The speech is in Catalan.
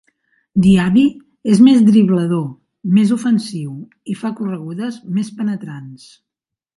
Diaby és més driblador, més ofensiu i fa corregudes més penetrants.